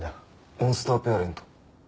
モンスターペアレント？